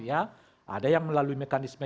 ada yang melalui mekanisme